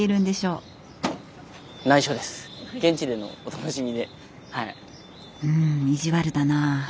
うん意地悪だなあ。